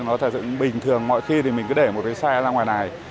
nói thật sự bình thường mọi khi thì mình cứ để một cái xe ra ngoài này